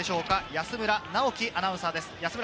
安村直樹アナウンサーです。